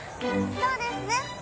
そうですね。